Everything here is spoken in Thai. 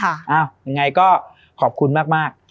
ยังไงก็ขอบคุณมาก